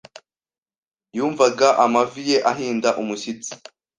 Yumvaga amavi ye ahinda umushyitsi.